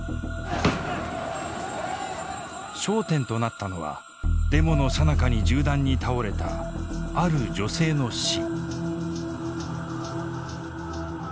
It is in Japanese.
焦点となったのはデモのさなかに銃弾に倒れたある女性の死。